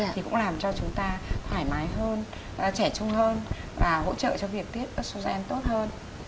thì cũng làm cho chúng ta thoải mái hơn trẻ trung hơn và hỗ trợ cho việc tiếp sucen tốt hơn